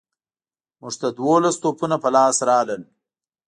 موږ ته دوولس توپونه په لاس راغلل.